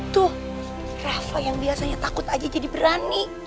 tuh rafa yang biasanya takut aja jadi berani